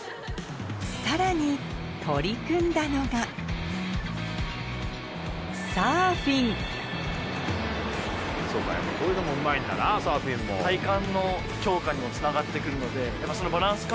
さらに取り組んだのがやっぱこういうのもうまいんだなサーフィンも。にもつながって来るので。